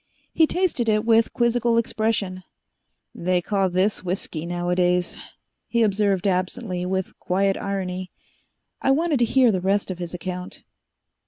He tasted it with a quizzical expression. "They call this whisky nowadays!" he observed absently, with quiet irony. I wanted to hear the rest of his account.